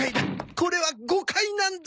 これは誤解なんだ！